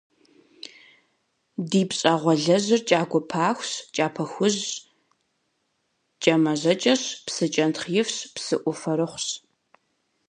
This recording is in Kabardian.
Ди пщӏэгъуалэжьыр кӏагуэ пахущ, кӏапэ хужьщ, кӏэмажьэкӏэщ, псы кӏэнтхъ ифщ, псыӏуфэрыхъущ.